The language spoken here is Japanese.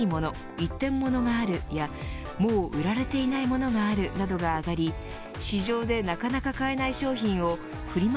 一点物があるやもう売られていないものがあるなどがあがり市場でなかなか買えない商品をフリマ